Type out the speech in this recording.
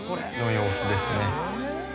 様子ですね。